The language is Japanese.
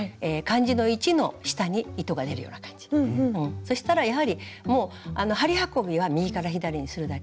そしたらやはりもう針運びは右から左にするだけ。